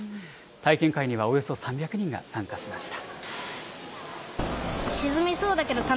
体験会にはおよそ３００人が参加しました。